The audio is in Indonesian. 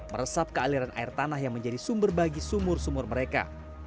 meresap ke aliran air tanah yang menjadi sumber bagi sumur sumur mereka